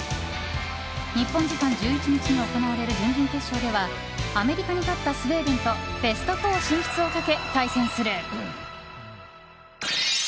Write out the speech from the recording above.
日本時間１１日に行われる準々決勝ではアメリカに勝ったスウェーデンとベスト４進出をかけ対戦する。